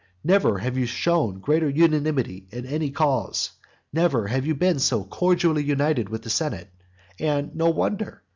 Never have you shown greater unanimity in any cause; never have you been so cordially united with the senate. And no wonder.